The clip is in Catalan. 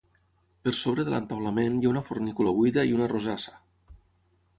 Per sobre de l'entaulament hi ha una fornícula buida i una rosassa.